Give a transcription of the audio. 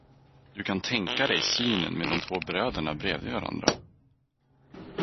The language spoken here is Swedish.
Du kan tänka dig synen med de två bröderna bredvid varandra.